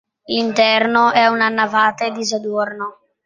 L'interno è a una navata e disadorno.